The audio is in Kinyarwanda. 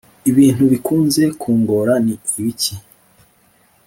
Ibintu bikunze kungora ni ibiki?